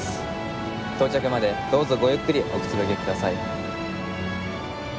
到着までどうぞごゆっくりおくつろぎください。